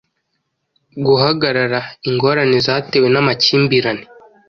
Guhagarara ingorane zatewe namakimbirane